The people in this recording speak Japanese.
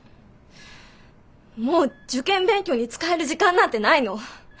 もう受験勉強に使える時間なんてないの。